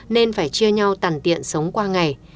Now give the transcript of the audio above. nên phải chia nhau tàn tiện sống qua ngày